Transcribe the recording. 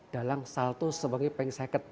dalang salto sebagai pengseket